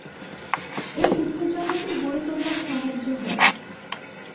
এই উত্তেজনাতেই গড়ে তোলবার সাহায্য হয়।